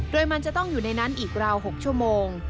โดยมันจะต้องอยู่ในนั้นอีกราว๖ชั่วโมง